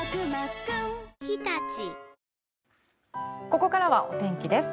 ここからはお天気です。